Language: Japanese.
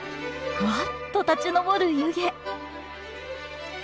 ふわっと立ち上る湯気